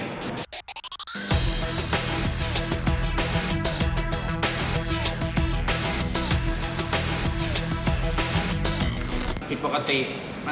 ผิดปกติมันไม่ใช่เวลาธรรมดา